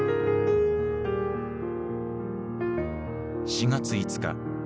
４月５日。